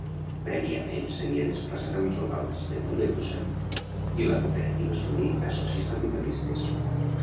Prèviament s'havia desplaçat a uns locals de Mollerussa i la cooperativa s'obrí a socis capitalistes.